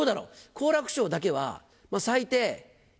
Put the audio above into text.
好楽師匠だけは最低１回。